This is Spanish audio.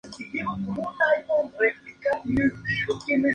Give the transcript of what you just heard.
Sólo los presidios de San Agustín y Santa Elena duraron más de tres años.